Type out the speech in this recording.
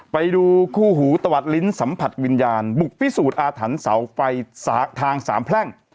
ไปดูคู่หูตวัดลิ้นสัมผัสวิญญาณบุกพิสูจน์อาถรรพ์เสาไฟทางสามแพร่ง